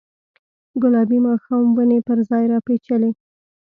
ګلابي ماښام ونې پر ځان راپیچلې